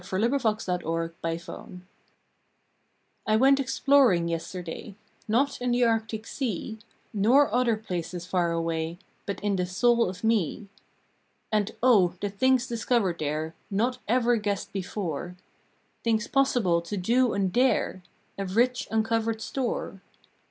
November Fourth THE EXPLORER I WENT exploring yesterday, Not in the Arctic Sea, Nor other places far away, But in the Soul of Me. And, oh! the things discovered there Not ever guessed before! Things possible to do and dare A rich uncovered store.